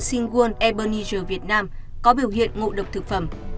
singuon ebenezer việt nam có biểu hiện ngộ độc thực phẩm